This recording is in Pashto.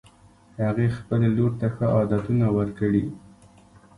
هغې خپلې لور ته ښه عادتونه ورکړي